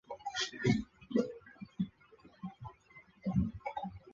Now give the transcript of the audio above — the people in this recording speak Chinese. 盾蕨为水龙骨科盾蕨属下的一个种。